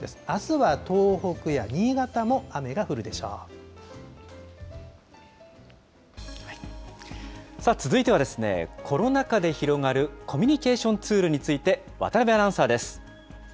あすは東北や新潟も雨が降るでし続いては、コロナ禍で広がるコミュニケーションツールについて渡辺アナウンサーです。